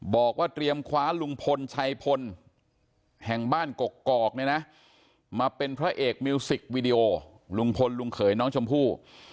บอกว่าเตรียมคว้าลุงพลชัยพลแห่งบ้านกกอกเนี่ยนะมาเป็นพระเอกมิวสิกวีดีโอลุงพลลุงเขยน้องชมพู่